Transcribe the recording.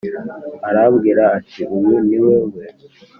Arambwira ati uyu ni we we